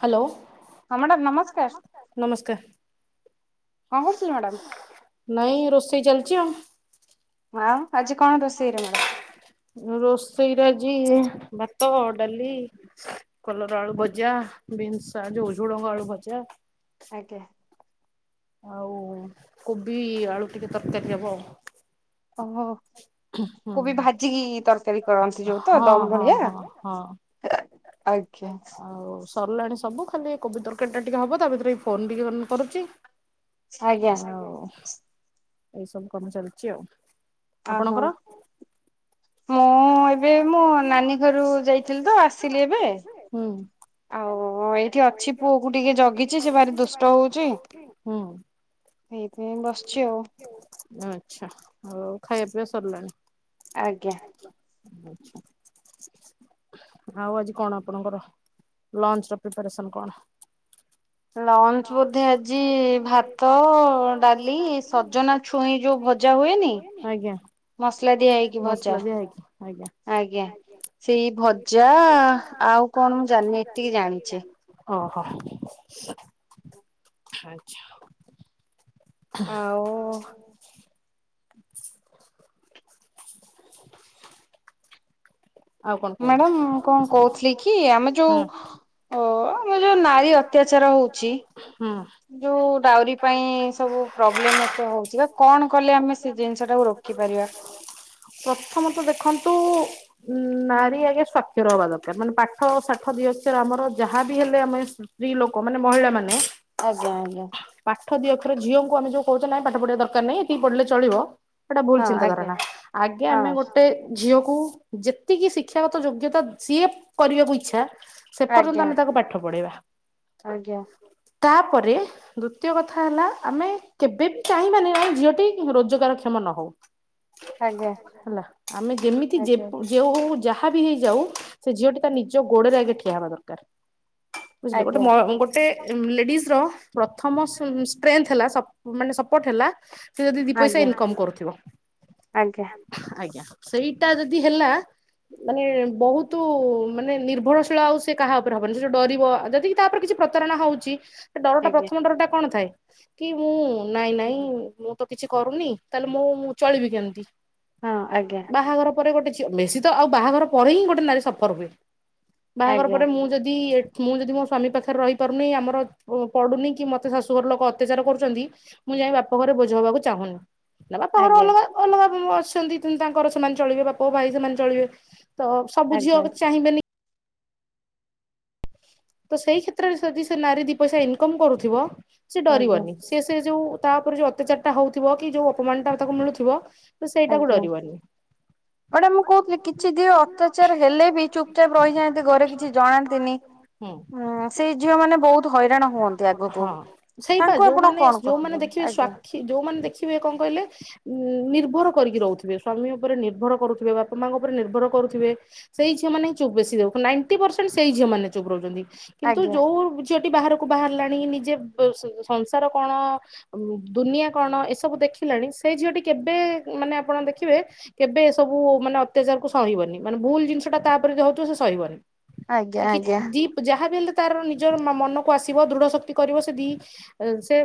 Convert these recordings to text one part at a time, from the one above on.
Hello ହଁ madam ନମସ୍କାର ନମସ୍କାର। କଣ କରୁଛନ୍ତି ମ୍ୟାଡ଼ାମ ନାଇଁ ରୋଷେଇ ଚାଲଛି ଆଉ। ଆଉ ଆଜି କଣ ରୋଷେଇରେ ମ୍ୟାଡ଼ାମ। ରୋଷେଇରେ ଆଜି ଭାତ ଡାଲି କଲରା ଆଳୁ ଭଜା ବିନ୍ସ ଯୋଉ ଝୁଡ଼ଙ୍ଗ ଆଳୁ ଭଜା। ଆଜ୍ଞା। ଆଉ କୋବି ଆଳୁ ଟିକେ ତରକାରୀ ହବ ଆଉ। ଓହୋ। କୋବି ଭାଜିକି ତରକାରୀ କରନ୍ତି ଯୋଉ ତ ଦମ୍ ଭଳିଆ? ଆଜ୍ଞା। ଆଉ ସରିଲାଣି ସବୁ ଖାଲି କୋବି ତରକାରୀ ଟା ଟିକେ ହବ ତା ଭିତରେ ଏଇ ଫୋନ ଟିକେ ଅନ କରୁଚି। ଆଜ୍ଞା। ହଉ ଏଇସବୁ କାମ ଚାଲିଚି ଆଉ ଆପଣଙ୍କର? ମୁଁ ଏବେ ମୋ ନାନୀ ଘରୁ ଯାଇଥିଲି ତ ଆସିଲି ଏବେ। ହୁଁ। ଆଉ ଏଇଠି ଅଛି ପୁଅ କୁ ଟିକେ ଜଗିଚି ସେ ଭାରି ଦୁଷ୍ଟ ହଉଚି। ସେଇଥିପାଇଁ ବସିଚି ଆଉ। ଆଚ୍ଛା ଆଉ ଖାଇବା ପିଇବା ସରିଲାଣି? ଆଉ ଆଜି କଣ ଆପଣଙ୍କର ଲଞ୍ଚ ର ପ୍ରିପାରେସନ୍ କଣ? ଲଞ୍ଚ ବୋଧେ ଆଜି ଭାତ ଡାଲି ସଜନା ଆଜ୍ଞା। ମସଲା ଦିଆ ହେଇକି ଭଜା ଆଜ୍ଞା ସେଇ ଭଜା ଆଉ କଣ ମୁଁ ଜାଣିନି ଏତିକି ଜାଣିଚି। ଓହୋ ଆଚ୍ଛା। ଆଉ କଣ କୁହନ୍ତୁ। କଣ କହୁଥିଲି କି ଆମେ ଯୋଉ ଓ ଆମର ଯୋଉ ନାରୀ ଅତ୍ୟାଚାର ହଉଚି ହଁ। [unintelligible] ଦାଉରି ପାଇଁ ହଉଥିଲା କଣ କଲେ ଆମେ ସେ ଜିନିଷ ରୋକି ପାରିବା? ପ୍ରଥମ ତ ଦେଖନ୍ତୁ ଉଁ ନାରୀ ଆଗେ ସ୍ୱାକ୍ଷର ହେବା ଦରକାର। ତା ମାନେ ପାଠ ସାଠ ଦି ଅକ୍ଷର ଆମର ଯାହା ବିି ହେଲେ ଆମେ ସ୍ତ୍ରୀ ଲୋକ ମାନେ ମହିଳା ମାନେ ଆଜ୍ଞା ଆଜ୍ଞା। ପାଠ ଦିଅକ୍ଷର ଝିଅଙ୍କୁ ଆମେ ଯୋଉ କହୁଛ ନାଇଁ ପାଠ ପଢିବା ଦରକାର ନାହିଁ ଏତିକି ପଢିଲେ ଚଳିବ ସେଇଟା ଭୁଲ ଚିନ୍ତାଧାରଣା ଆଗେ ଆମେ ଗୋଟେ ଝିଅକୁ ଯେତିକି ଶିକ୍ଷାଗତ ଯୋଗ୍ୟତା ସିଏ କରିବାକୁ ଇଚ୍ଛା ସେ ପର୍ଯ୍ୟନ୍ତ ଆମେ ତାକୁ ପାଠ ପଢେଇବା। ଆଜ୍ଞା। ତାପରେ ଦ୍ଵିତୀୟ କଥା ହେଲା ଆମେ କେବେ ବି ଚାହିଁବାନି ଆମେ ଝିଅଟି ରୋଜଗାରକ୍ଷମ ନହଉ। ହେଲା ଆମେ ଯେମିତି ଯେ ଯେଉ ଯାହା ବି ହେଇଯାଉ ସେ ଝିଅଟି ତା ନିଜ ଗୋଡରେ ଆଗେ ଠିଆ ହେବା ଦରକାର ବୁଝିଲେ ଗୋଟେ ମ ଗୋଟେ ଗୋଟେ ଲେଡିଜ ର ପ୍ରଥମ ସଁ ଷ୍ଟ୍ରେଥ ହେଲା ସପ ମାନେ ସ ସପୋର୍ଟ ହେଲା ସେ ଯଦି ଦି ପଇସା ଇନକମ୍ କରୁଥିବ। ଆଜ୍ଞା ସେଇଟା ଯଦି ହେଲା ମାନେ ବହୁତ ନ୍ତୁ ମାନେ ନିର୍ଭରଶୀଳ ଆଉ ସେ କାହା ଉପରେ ହବନି ସେ ଯଉ ଡରିବ ଯଦିି ତା ଉପରେ କିଛି ପ୍ରତାରଣା ହଉଚି ଡର ଟା ପ୍ରଥମ ଡର ଟା କଣ ଥାଏ କି ମୁଁ ନାଇଁ ନାଇଁ ତ କିଛି କରୁନି ତାହେଲେ ମୁଁ ଚଳିବି କେମିତି। ବାହାଘର ପରେ ଗୋଟେ ଝିଅ ବେଶୀ ତ ଆଉ ବାହାଘର ପରେ ହିଁ ଗୋଟେ ନାରୀ ସଫର ହୁଏ। ବାହାଘର ପରେ ମୁଁ ଯଦି ମୁଁ ଯଦି ମୋ ସ୍ଵାମୀ ପାଖରେ ରହିପାରୁନି। ଆମର ପଡୁନି କି ମତେ ଶାଶୁଘର ଲୋକ ଅତ୍ୟାଚାର କରୁଛନ୍ତି। ମୁଁ ଯାଇ ବାପ ଘରେ ବୋଝ ହବାକୁ ଚାହୁଁନି। ନା ବାପା ଘର ଅଲଗା ଅଲଗା ଅଛନ୍ତି ତାଙ୍କର ସେମାନେ ଚଳିବେ ବାପା ଭାଇ ସେମାନେ ଚଳିବେ ତ ଝିଅ ଚାହିଁବେନି ତ ସେଇ କ୍ଷେତ୍ରରେ ଯଦି ସେ ନାରୀ ଦି ପଇସା ଇନକମ କରୁଥିବ ସେ ଡରିବନି। ସିଏ ସେ ଯୋଉ ତା ଉପରେ ଯୋଉ ଅତ୍ୟାଚାର ଟା ହଉଥିବ କି ଯୋଉ ଅପମାନ ଟା ତାକୁ ମିଳୁଥିବ ତୁ ସେଇଟାକୁ ଡରିବନି। ମାଡ଼ାମ ମୁଁ କହୁଛିି କିଛି ଦର ଅପଚାର ହେଲେ ବି କହିଥାନ୍ତି ବ କିଛି ଜଣାନ୍ତି ମୁ ହୁଁ ହଁ ସେଇ ବା ଯୋଉମାନେ ଯୋଉମାନେ ଦେଖିବେ ସ୍ୱା ଯୋଉମାନେ ଦେଖିବେ କଣ କହିଲେ ଉଁ ନିର୍ଭର କରିକି ରହୁଥିବେ ସ୍ଵାମୀ ଉପରେ ନିର୍ଭର କରୁଥିବେ ବାପା ମାଙ୍କ ଉପରେ ନିର୍ଭର କରୁଥିବେ ସେଇ ଝିଅ ମାନେ ହି ଚୁପ୍ ବେଶୀ ଦ ଦେଉ ନାଇଣ୍ଟି ପରସେଣ୍ଟ ସେଇ ଝିଅ ମାନ ଚୁପ୍ ରହୁଛନ୍ତି କିନ୍ତୁ ଯୋଉ ଝିଅଟି ବାହାରକୁ ବାହାରିଲାଣି ନିଜେ ସଂସାର କଣ ଦୁନିଆ କଣ ଏସବୁ ଦେଖିଲାଣି ସେ ଝିଅଟି କେବେ ମାନେ ଆପଣ ଦେଖିବେ କେବେ ଏ ସବୁ ମାନେ ଅତ୍ୟାଚାର କୁ ସହିବନି ମାନେ ଭୁଲ ଜିନିଷଟା ତା ଉପରେ ଯ ହଉଥିବ ସେ ସହିବନି। ଆଜ୍ଞା, ଆଜ୍ଞା ଯାହା ବିି ହେଲେ ତ ତାର ନିଜର ମା ମନକୁ ଆସିବ ଦୃଢ଼ ଶକ୍ତି କରିବ ସେ ଯଦି ସେ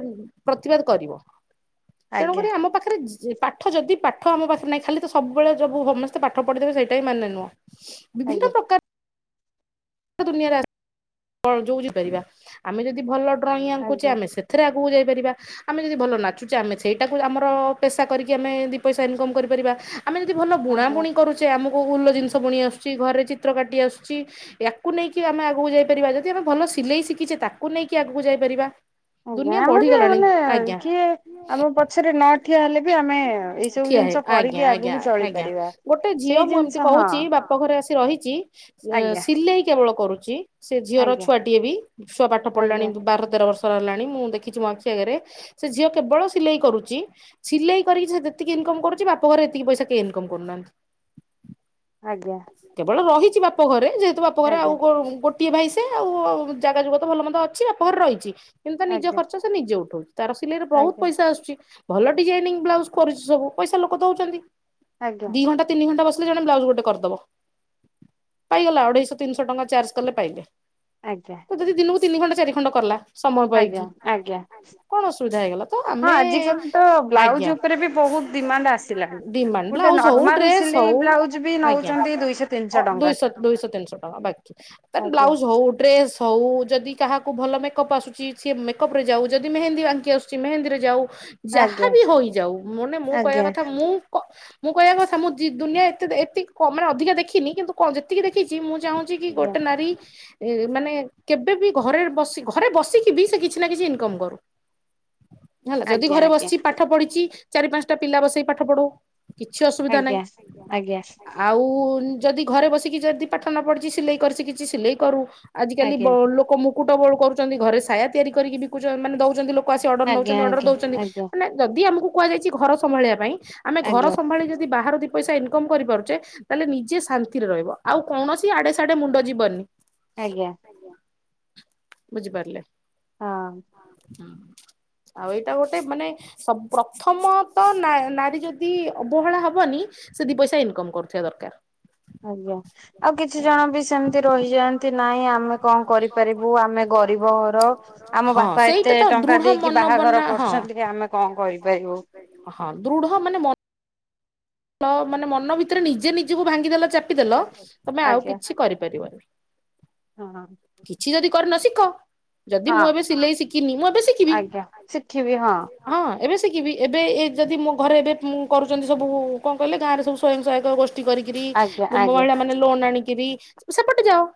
ପ୍ରତିବାଦ କରିବ ତେଣୁକରି ଆମ ପାଖରେ ଯେ ପାଠ ଯଦି ପାଠ ଆମ ପାଖରେ ନାହିଁ ଖାଲି ତ ସବୁବେଳେ ସବୁ ସମସ୍ତେ ପାଠ ପଢିଦେବେ ସେଇଟା ହିଁ ମାନେ ନୁହଁ। ବିଭିନ୍ନ ପ୍ରକାର ଦୁନିଆରେ ଆସ୍ ବଳ ଜୁଉଜିପାରିବା ଆମେ ଯଦି ଭଲ ଡ୍ରଇଂ ଆଙ୍କୁଚେ ଆମେ ସେ ଥେରେ ଆଗକୁ ଯାଇପାରିବା। ଆମେ ଯଦି ଭଲ ନାଚୁଛେ ଆମେ ସେଇଟାକୁ ଆମର ପେସା କରିକି ଆମେ ଦି ପଇସା ଇନକମ କରିପାରିବା। ଆମେ ଯଦି ଭଲ ବୁଣା ବୁଣି କରୁଛେ ଆମକୁ ଉଲ୍ ର ଜିନିଷ ବୁଣି ଆସୁଛି ଘରେ ଚିତ୍ର କାଟି ଆସୁଛି ୟାକୁ ନେଇକି ଆମେ ଆଗକୁ ଯାଇପାରିବା। ଯଦି ଆମେ ଭଲ ସିଲେଇ ଶିଖିଛେ ତାକୁ ନେଇକି ଆଗକୁ ଯାଇପାରିବା। ଦୁନିଆ ବଢିଗଲାଣି ଆଜ୍ଞା ଠିଆ ହେ। ଆଜ୍ଞା, ଆଜ୍ଞା, ଆଜ୍ଞା ଗୋଟେ ଝିଅ ମୁଁ ଏମିତି କହୁଛି ବାପା ଆପ ଘରେ ଆସି ରହିଛି ସିଲେଇ କେବଳ କରୁଛି। ସେ ଝିଅର ଛୁଆଟିଏ ବି ଛୁଆ ପାଠ ପଢିଲାଣି ବାର ତେର ବର୍ଷ ର ହେଲାଣି ମୁଁ ଦେଖିଛି ମୋ ଆଖି ଆଗରେ ସେ ଝିଅ କେବଳ ସିଲେଇ କରୁଛି ସିଲେଇ କରିକି ସେ ଯେତିକି ଇନକମ କରୁଛି ବାପ ଘରେ ଏତିକି ପଇସା କେହି ଇନକମ କରୁନାହାନ୍ତି। ଆଜ୍ଞା। କେବଳ ରହିଛି ବାପଘରେ ଯେହେତୁ ବାପଘରେ ଆଉ ଗୋ ଗୋ ଗୋଟିଏ ଭାଇସେ ଆଉ ଜାଗା ଯୁଗ ତ ଭଲ ମନ୍ଦ ଅଛି ଆପ ଘରେ ରହିଛି। କିନ୍ତୁ ତା ନିଜ ଖର୍ଚ୍ଚ ସେ ନିଜେ ଉଠଉଛି ତାର ସିଲେଇ ରେ ବହୁତ ପଇସା ଆସୁଛି। ଭଲ ଡିଜାଇନିଂ ବ୍ଲାଉଜ କରୁଛି ସବୁ ପଇସା ଲୋକ ଦଉଛନ୍ତି ଦି ଘଣ୍ଟା ତିନି ଘଣ୍ଟା ବସିଲେ ଜଣେ ବ୍ଲାଉଜ ଗୋଟେ କରିଦବ। ପାଇଗଲା ଅଢେଇଶ ତିନିଶହ ଟଙ୍କା ଚାର୍ଜ କଲେ ପାଇବେ। ଆଜ୍ଞା। ଯଦି ଦିିନକୁ ତିିନି ଖଣ୍ଡ ଚାରି ଖଣ୍ଡ କଲା ଆଜ୍ଞା, ଆଜ୍ଞା। କଣ ଅସୁବିଧା ହେଇଗଲା ତ ଆମେ ଆଜ୍ଞା ଡିମାଣ୍ଡ ବ୍ଲାଉଜ ହଉ ଡ୍ରେସ ହଉ ଆଜ୍ଞା ଦୁଇଶହ ଦୁଇଶହ ତିନିଶହ ଟଙ୍କା। ବାକି ତା ବ୍ଲାଉଜ ହଉ ଡ୍ରେସ୍ ହେଉ ଯଦି କାହାକୁ ଭଲ ମେକଅପ୍ ଆସୁଛି ସିଏ ମେକଅପ୍ରେ ଯାଉ ଯଦି ମେହେନ୍ଦୀ ବାଙ୍କି ମେହେନ୍ଦିର ଯାଉ ଯାହାବି ହୋଇଯାଉ ମାନେ ମୁଁ କହିବା କଥା ମୁଁ କ ମୁଁ କହିବାକଥା ମୁଁ ଦି ଦୁନିଆ ଏତେ ଦେ ଏତିକି କ ମାନେ ଅଧିକ ଦେଖିନି କିନ୍ତୁ କ ଯେତିକି ଦେଖିଛି ମୁଁ ଚାହୁଁଛି ଚି କି ଗୋଟ ନାରୀ ଏ ମାନେ କେବେ ବି ଘରେ ବସି ଘରେ ବସିକି ବି ସେ କିଛି ନା କିଛି ଇନକମ କରୁ। ହେଲା ଯଦି ଘରେ ବସିଛି ପାଠ ପଢିଛି ଚାରି ପାଞ୍ଚଟା ପିଲା ବସେଇକି ପାଠ ପଢଉ। କିଛି ଅସୁବିଧା ନାହିଁ ଆଉ ଯଦି ଘରେ ବସିକି ଯଦି ପାଠନ ପଢ଼ିଚି ସିଲେଇ କରି ଶିଖିଚି ସିଲେଇ କରୁ ଆଜିକାଲି ଲୋକ କୁଟ ଡବଳ କରୁଛନ୍ତି ଘରେ ସାୟା ତିଆରି କରିକି ବିକୁଛନ୍ତି ମାନେ ଦଉଛନ୍ତି ଲୋକ ଆସି ଅର୍ଡ଼ର ନେଉଛନ୍ତି ଅର୍ଡ଼ର ଦେଉଛନ୍ତି ମାନେ ଯଦି ଆମକୁ କୁହାଯାଇଛି ଘର ସମ୍ଭାଳିବା ପାଇଁ ଆମେ ଘର ସମ୍ଭାଳି ଯଦି ବାହାରେ ପଇସା ଇନକମ୍ କରିପାରୁଛେ ତାହେଲେ ନିଜେ ଶାନ୍ତିରେ ରହିବ ଆଉ କୌଣସି ଆଡେ ସଡେ ମୁଣ୍ଡ ଯିବନି। ଆଜ୍ଞା ବୁଝିପାରିଲେ। ଆଉ ଏଇଟା ଗୋଟେ ମାନେ ପ୍ରଥମ ତ ନା ନାରୀ ଯଦି ଅବହେଳା ହବନି। ସେ ଦି ପଇସା ଇନକମ୍ କରୁଥିବା ଦରକାର। ଆଜ୍ଞା। ଆଉ କିଛି ଜଣ ବି ସେମିତି ରହିଯାଆନ୍ତି ନାହିଁ ଆମେ କଣ କରିପାରିବୁ ଆମେ ଗରିବ ଘର। ଆମ ବାପା ଏତେ ଟଙ୍କା ଦେଇକି ବାହାଘର କରିଛନ୍ତି କି ଆମେ କଣ କରିପାରିବୁ। ହଁ ଦୃଢ ମାନେ ମ ମାନେ ମନ ଭିତରେ ନିଜେ ନିଜକୁ ଭାଙ୍ଗିଦେଲ ଚାପିଦେଲ ତମେ ଆଉ କିଛି କରିପାରିବନି। ହଁ। କିଛି ଯଦି କରିନ ଶିଖ। ଯଦି ମୁଁ ଏବେ ସିଲେଇ ଶିଖିନି ମୁଁ ଏବେ ଶିଖିବି। ହଁ ଏବେ ଶିଖିବି ଏବେ ଏ ଯଦି ମୋ ଘରେ ଏବେ କରୁଛନ୍ତି ସବୁ କଣ କହିଲେ ଗାଁରେ ସବୁ ସୟଂ ସହାୟକ ଗୋଷ୍ଠୀ କରିି କିରି ମହିଳାମାନେ ଲୋନା ଆଣିକିବି ସେ ପଟେ ଯାଅ ହଁ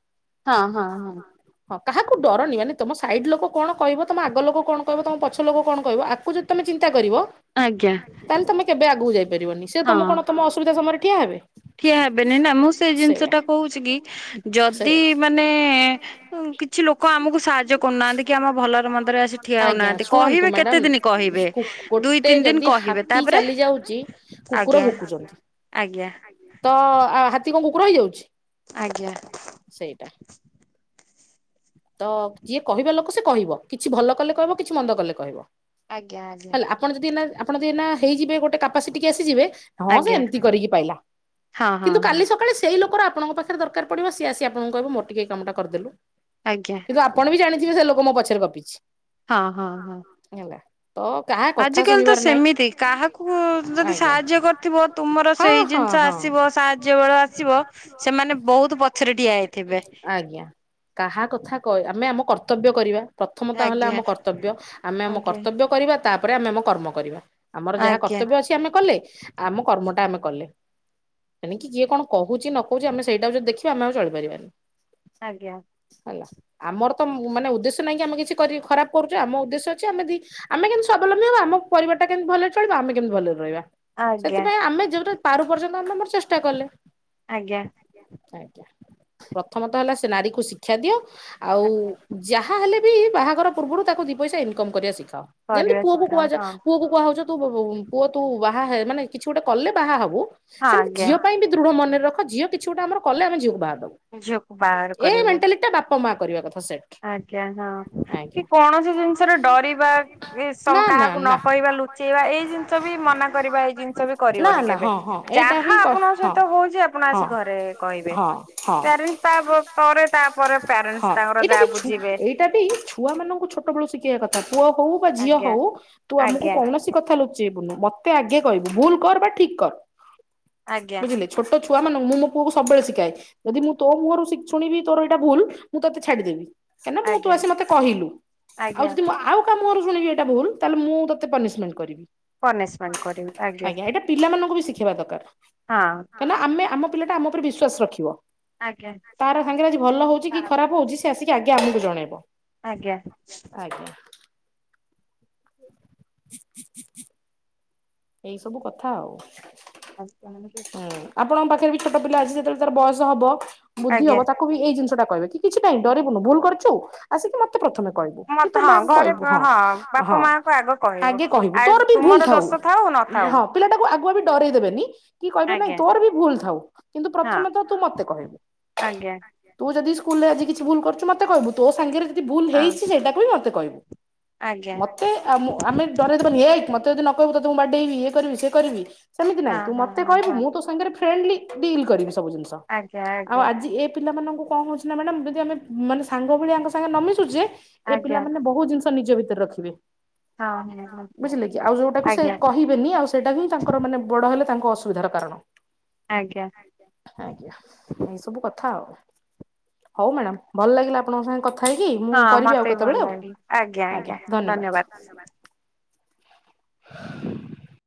ହଁ। ହଁ କାହାକୁ ଡରନି ମାନେ ତମ ସାଇଡ ଲୋକ କଣ କହିବ ତମ ଆଗ ଲୋକ କଣ କହିବ ତମ ପଛ ଲୋକ କଣ କହିବ ଆଗ ତମେ ଚିନ୍ତା କରିବ। ଆଜ୍ଞା। ତାହେଲେ ତମେ କେବେ ଆଗକୁ ଯାଇପାରିବନି ସେ ତମ କଣ ତମ ଅସୁବଧା ସମୟରେ ଠିଆ ହେବେ। ଠିଆ ହେବେନି ନା ମୁଁ ସେଇ ଜିନିଷଟା କହୁଛି କି ଯଦି ମାନେ କିଛି ଲୋକ ଆମକୁ ସାହାଯ୍ୟ କରୁନାହାନ୍ତି କି ଆମ ଭଲର ମନ୍ଦରେ ଆସି ଠିଆ ହଉନାହାନ୍ତି କହିବେ କେତେ ଦିନ କହିବେ। ଗୋଟେ ଯଦି ହାତୀ ଚାଲି ଯାଉଛି କୁକୁର ଭୁକୁଛନ୍ତି ତ ଆଉ ହାତୀ କଣ କୁକୁର ହେଇଯାଉଛି। ଆଜ୍ଞା। ସେଇଟା। ତ ଯିଏ କହିବା ଲୋକ ସେ କହିବ କିଛି ଭଲ କଲେ କହିବ କିଛି ମନ୍ଦ କଲେ କହିବ। ଆଜ୍ଞା ଆଜ୍ଞା। ଆପଣ ଯଦି ଆଇନା ଆପଣ ଯଦି ହେଇଯିବେ ଗୋଟେ କାସିଟି କି ଆସିଯିବେ। ହଁ ସେ ଏମିତି କରିକି ପାଇଲା କିନ୍ତୁ କାଲି ସକାଳେ ସେଇ ଲୋକର ଆପଣଙ୍କ ଦରକାର ପଡିବ ସିଏ ଆସି ଆପଣଙ୍କୁ କହିବ ମୋ ଟିକେ କାମଟା କରିଦଲୁ। ଆଜ୍ଞା। ଆପଣ ବି ଜାଣିଥିବେ ସେ ଲୋକ ମୋ ପଛରେ ଗପିଛି ହ ହ ହେଲା। ତ କାହା କଥା ଶୁଣିବାର ନାଇଁ। କାହାକୁ ଯଦି ସାହାଯ୍ୟ କରିଥିବ ତୁମର ସେଇ ଜିନିଷ ଆସିବ ସାହାଯ୍ୟ ବେଳ ଆସିବ। ସେମାନେ ବହୁତୁ ପଛରେ ଠିଆ ହେଇଥିବେ। ଆଜ୍ଞା। କାହା କଥା କହ ଆମେ ଆମ କର୍ତ୍ତବ୍ୟ କରିବା। ପ୍ରଥମ ତ ହେଲା ଆମ କର୍ତ୍ତବ୍ୟ ଆମେ ଆମ କର୍ତ୍ତବ୍ୟ କରିବା ତାପରେ ଆମେ ଆମ କର୍ମ କରିବା। ଆମର ଯାହା କର୍ତ୍ତବ୍ୟ ଅଛି ଆମେ କଲେ ଆମ କର୍ମଟା ଆମେ କଲେ। ହେଣିକି କିଏ କଣ କହୁଚି ନ କହୁଚି ଆମେ ସେଇଟାକୁ ଯେଦି ଦେଖିବା ଆମ ଆଉ ଚଳିପାରିବାନେହିଁ। ଆଜ୍ଞା। ହେଲା ଆମର ତ ମାନେ ଉଦ୍ଦେଶ୍ୟ ନାହିଁକି ଆମେ କିଛି ଖରାପ କରୁଛେ ଆମ ଉଦ୍ଦେଶ୍ୟ ଅଛି ଆମେ ଦି ଆମେ କେମିତି ସ୍ୱାବଲମ୍ୱୀ ହେବା ଆମ ପରିବାରଟା କେମିତି ଭଲରେ ଚଳିବା ଆମେ କିମିତି ଭଲରେ ରହିବା। ସେଥିପାଇଁ ଆମେ ଯେ ପାରୁ ପର୍ଯ୍ୟନ୍ତ ଆମେ ଆମର ଚେଷ୍ଟା କଲେ। ଆଜ୍ଞା। ଆଜ୍ଞା ପ୍ରଥମତଃ ହେଲା ସେ ନାରୀକୁ ଶିକ୍ଷା ଦିଅ ଆଉ ଯାହା ହେଲେ ବି ବାହାଘର ପୂର୍ବରୁ ତାକୁ ଦିଇ ପଇସା ଇନକମ୍ କରିବା ଶିଖାଅ। ଯେମିତି ପୁଅକୁ କୁହାଯା ପୁଅ କୁହାଉଚ। ତୁ ବୁ ବୁ ପୁଅ ତୁ ବାହା ହେ ମାନେ କିଛି ଗୋଟେ କଲେ ବାହା ହୋବୁ। ସେମିତି ଝିଅ ପାଇଁ ବି ଦୃଢ ମନରେ ରଖ ଝିଅ କିଛି ଗୋଟେ ଆମର କଲେ ଆମେ ଝିଅ କୁ ବାହାଦେବୁ। ଏଇ ମେଣ୍ଟାଲିଟି ଟା ବାପା ମା କରିବା କଥା ସେଟ୍। ଆଜ୍ଞା ହଁ କି କୌଣସି ଜିନିଷରେ ଡରିବା ଏ ସବ କାହାକୁ ନ କହିବା ଲୁ ଲୁଚେଇବା ଏଇ ଜିନିଷ ବି ମନା। କରିବା ଏଇ ଜିନିଷ ବି କରିବନି କେବେ ଯାହା ଆପଣଙ୍କ ସହିତ ହଉଚି ଆପଣ ଆସି ଘରେ କହିବେ। ପ୍ୟାରେଣ୍ଟ ତା ପରେ ତାପରେ ପ୍ୟାରେଣ୍ଟେସ୍ ତାଙ୍କର ଯାହା ଏଇଟା ବି ଛୁଆ ମାନଙ୍କୁ ଛୋଟ ବେଳୁ ଶିଖେଇବା କଥା ପୁଅ ହଉ ବା ଝିଅ ହଉ ତୁ ଆମକୁ କୌଣସି କଥା ଲୁଚେଇବୁନୋହୁଁ ମ ତେ ଆଗେ କହିବୁ ଭୁଲ୍ କର ବା ଠିକ୍ କର ବୁଝିଲେ। ଛୋଟ ଛୁଆ ମାନଙ୍କୁ ମୁ ମୋ ପୁଅକୁ ସବୁବେଳେ ଶିଖାଏ। ଯଦି ମୁଁ ତୋ ମୁହରୁ ଶି ଶୁଣିବି ତୋର ଏଇଟା ଭୁଲ୍ ମୁଁ ତୋତେ ଛାଡିଦେବି। କାହିଁନା ମୁଁ ତୁ ଆସି ମତେ କହିଲୁ ଆଉ ଯଦି ମୁଁ ଆଉ କାହା ମୁହଁରୁ ଶୁଣିବି ଏଇଟା ଭୁଲ୍ ତାହେଲେ ମୁଁ ତୋତେ ପନିସମେଣ୍ଟେ କରିବି। ପନିସମେଣ୍ଟେ କରିବି ଆଜ୍ଞା। ପିଲାମାନଙ୍କୁ ବି ଶିଖେଇବା ଦରକାର। ହଁ। କାହିଁନା ଆମେ ଆମ ପିଲାଟା ଆମ ଉପରେ ବିଶ୍ଵାସ ରଖିବ ତାର ସାଙ୍ଗରେ ଆଜି ଭଲ ହଉଚି କି ଖରାପ ହଉଚି ସି ଆସିକି ଆଗେ ଆମୁକୁ ଜଣେଇବ। ଆଜ୍ଞା। ଆଜ୍ଞା। ଏଇ ସବୁ କଥା ଆଉ। [inaudible] ହୁଁ ଆପଣଙ୍କ ପାଖରେ ବି ଛୋଟ ପିଲା ଅଛି ଯେତେବେଳେ ତାର ବୟସ ହବ ବୁଦ୍ଧି ହବ ତା ତାକୁ ବି ଏଇ ଜିନିଷଟା କହିବେ କି କିଛି ନାହିଁ ଡରିବୁନୁ ଭୁଲ କରିଛୁ। ଆସିକି ମତେ ପ୍ରଥମେ କହିବୁ କି ତୋ ମା କୁ କହିବୁ ବାପ ମା କୁ ଆଗେ ହଁ ହଁ ଆଗେ କହିବୁ ତୋର ବି ଭୁଲ ଥାଉ ତୋର ବି ଦୋଷ ଥାଉ ପିଲାଟାକୁ ଆଗୁଆ ବି ଡରଇ ଦେବେନି। କି କହିବେ ନାଇଁ ତୋର ବି ଭୁଲ ଥାଉ କିନ୍ତୁ ପ୍ରଥମେ ତ ତୁ ମତେ କହିବୁ। ତୁ ଯଦି ସ୍କୁଲ ରେ ଆଜି କିଛି ଭୁଲ କରିଛୁ ମତେ କହିବୁ, ତୋ ସାଙ୍ଗରେ କିଛି ଭୁଲ ହେଇଛି ସେଇଟାକୁ ବି ମତେ କହିବୁ ମତେ ଆ ଆମେ ଡରେ ହେକ ମତେ ଯଦି ନ କହିବୁ ତତେ ମୁଁ ବାଡେଇବି ଇଏ କରିବି ସିଏ କରିବି ସେମିତି ନାହିଁ ତୁ ମତେ ତୋ ସାଙ୍ଗରେ ଫ୍ରେଣ୍ଡଲି ଡିଲ କରିବି ସବୁ ଜିନିଷ ଆଉ ଆଜି ଏ ପିଲା ମାନଙ୍କୁ କଣ ହଉଛି ନା ମ୍ୟାଡାମ ଯଦି ଆମେ ମାନେ ସାଙ୍ଗ ଭଳିଆ ୟାଙ୍କ ସାଙ୍ଗେ ନ ମିିଶୁଛେ ଏ ପିଲାମାନେ ବହୁତ ଜିନିଷ ନିଜ ଭିତରେ ରଖିବେ ବୁଝିଲେ କି? ଆଉ ଯୋଉଟାକୁ ସିଏ କହି ବେନି ଆଉ ସେଇଟା ହିଁ ତାଙ୍କର ମାନେ ବଡ ହେଲେ ତାଙ୍କୁ ଅସୁବିଧାର କାରଣ। ଆଜ୍ଞା। ଆଜ୍ଞା, ଏଇ ସବୁ କଥା ଆଉ ହଉ ମ୍ୟାଡମ ଭଲ ଲାଗିଲା ଆପଣଙ୍କ ସାଙ୍ଗେ କ ଥା ହେଇକି ମୁଁ କରିବି ଆଉ କେତେବେଳେ ଆଜ୍ଞା ଧନ୍ୟବାଦ।